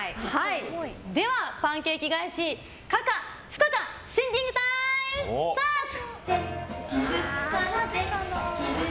では、パンケーキ返し可か不可かシンキングタイムスタート！